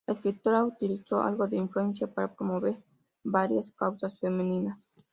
La escritora utilizó algo de su influencia para promover varias causas femeninas.